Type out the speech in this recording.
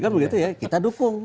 kan begitu ya kita dukung